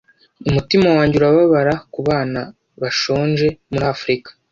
umutima wanjye urababara kubana bashonje muri afrika